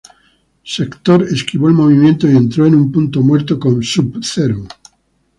Sektor esquivó el movimiento y entró en un punto muerto con Sub-Zero.